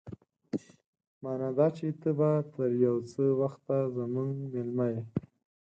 مانا دا چې ته به تر يو څه وخته زموږ مېلمه يې.